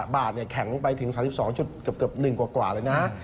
บาทแข็งต้องไปถึง๓๒๑บาทกว่าแล๊วนะ